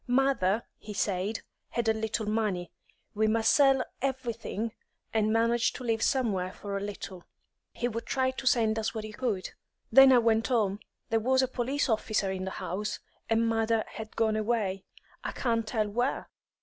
Mother, he said, had a little money; we must sell everything and manage to live somewhere for a little; he would try to send us what he could. Then I went home. There was a police officer in the house, and mother had gone away, I can't tell where.